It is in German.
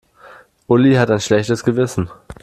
Uli hat ein schlechtes Gewissen.